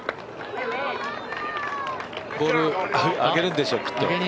ボール、あげるんでしょうきっと。